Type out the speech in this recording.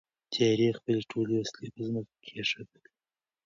تیارې خپلې ټولې وسلې په ځمکه کېښودلې.